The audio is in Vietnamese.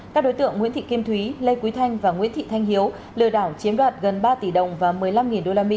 các đối tượng nguyễn thị kim thúy lê quý thanh và nguyễn thị thanh hiếu lừa đảo chiếm đoạt gần ba tỷ đồng và một mươi năm usd